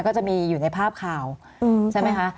ก็จะมีอยู่ในภาพข่าวใช่ไหมคะ